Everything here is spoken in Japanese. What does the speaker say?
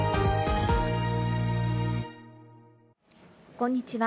こんにちは。